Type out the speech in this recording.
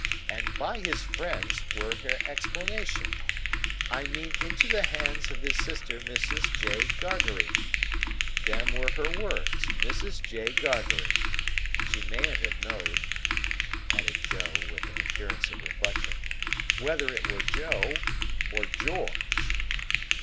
'And by his friends,' were her explanation, 'I mean into the hands of his sister Mrs. J. Gargery.' Them were her words; 'Mrs. J. Gargery.' She mayn't have know'd," added Joe, with an appearance of reflection, "whether it were Joe, or Jorge."